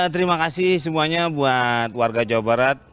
terima kasih semuanya buat warga jawa barat